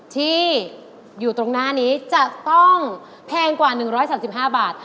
ที่อยู่ตรงหน้านี้จะต้องแพงกว่า๑๓๕บาท